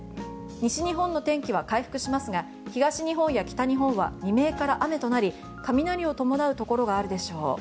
西日本の天気は回復しますが東日本や北日本は未明から雨となり雷を伴うところがあるでしょう。